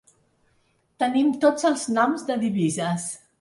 Tenim tots els noms de divises.